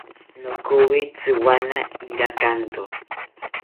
Nokoyi tziwana irakanto